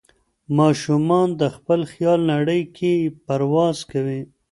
ماشومان د خپل خیال نړۍ کې پرواز کوي.